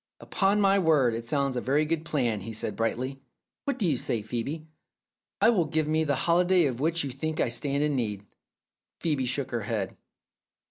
"Upon my word, it sounds a very good plan," he said brightly. "What do you say, Phoebe? It will give me the holiday of which you think I stand in need." Phcebe shook her head.